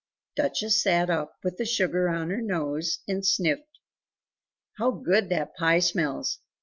Duchess sat up with the sugar on her nose and sniffed "How good that pie smells!